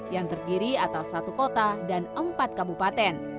yang terdiri atas satu kota dan empat kabupaten